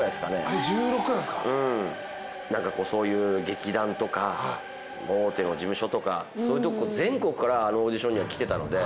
劇団とか大手の事務所とかそういう全国からあのオーディションには来てたので。